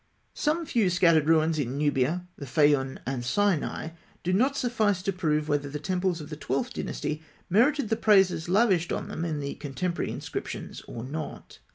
Some few scattered ruins in Nubia, the Fayûm, and Sinai, do not suffice to prove whether the temples of the Twelfth Dynasty merited the praises lavished on them in contemporary inscriptions or not.